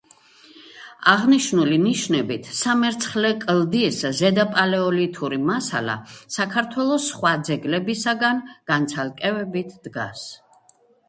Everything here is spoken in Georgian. აღნიშნული ნიშნებით სამერცხლე კლდის ზედაპალეოლითური მასალა საქართველოს სხვა ძეგლებისაგან განცალკევებით დგას.